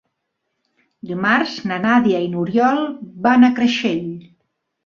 Dimarts na Nàdia i n'Oriol van a Creixell.